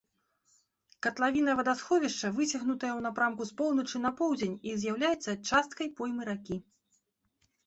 Катлавіна вадасховішча выцягнутая ў напрамку з поўначы на поўдзень і з'яўляецца часткай поймы ракі.